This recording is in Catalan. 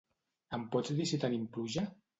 Em pots dir si tenim pluja?